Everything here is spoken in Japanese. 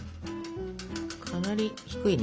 かなり低いね